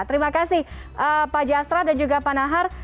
terima kasih pak jasra dan juga pak nahar